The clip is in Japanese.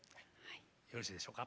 よろしいでしょうか。